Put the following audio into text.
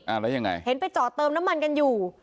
แล้วยังไงเห็นไปจอดเติมน้ำมันกันอยู่